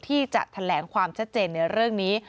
ที่จะแถลงความชัดเจนในเรื่องนี้